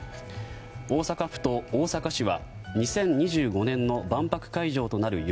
大阪府と大阪市は２０２５年の万博会場となる夢